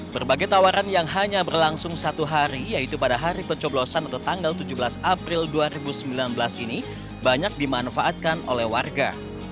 berbagai tawaran yang hanya berlangsung satu hari yaitu pada hari pencoblosan atau tanggal tujuh belas april dua ribu sembilan belas ini banyak dimanfaatkan oleh warga